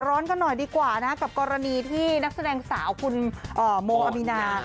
ร้อนกันหน่อยดีกว่านะกับกรณีที่นักแสดงสาวคุณโมอามีนา